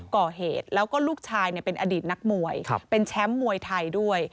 ก่อเหตุแล้วก็ลูกชายเป็นอดีตนักมวยเป็นแชมป์มวยไทยด้วย